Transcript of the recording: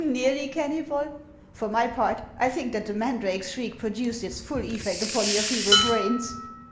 " Xeaiiy, Kenuybol ? For my part, I think that the mandrake's shriek produced its full effect upon your feeble brains."